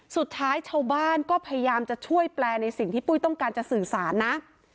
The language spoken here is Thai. สุดท้ายชาวบ้านก็พยายามจะช่วยแปลในสิ่งที่ปุ้ยต้องการจะสื่อสารนะ